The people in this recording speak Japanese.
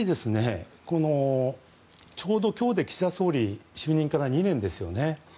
ちょうど今日で岸田総理就任から２年ですよね。